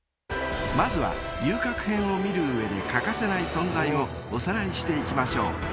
［まずは『遊郭編』を見る上で欠かせない存在をおさらいしていきましょう］